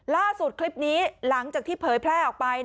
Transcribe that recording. ล่าสุดคลิปนี้หลังจากที่เผยแพร่ออกไป